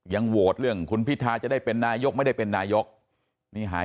โหวตเรื่องคุณพิทาจะได้เป็นนายกไม่ได้เป็นนายกนี่หาย